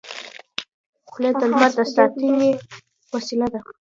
خولۍ د لمر نه د ساتنې وسیله ده.